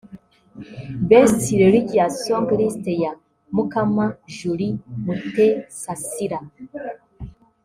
Best Religious Song List Ya Mukama – Julie Mutesasira